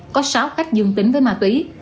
có sáu khách dương tính với ma tủy